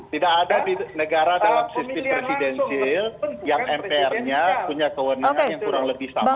tidak ada di negara dalam sistem presidensil yang mpr nya punya kewenangan yang kurang lebih sama